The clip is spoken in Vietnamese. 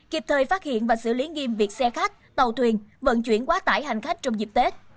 kịp thời phát hiện và xử lý nghiêm việc xe khách tàu thuyền vận chuyển quá tải hành khách trong dịp tết